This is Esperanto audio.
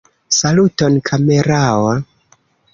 Saluton kamerao!